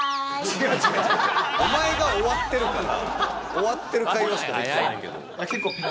終わってる会話しかできてないけど。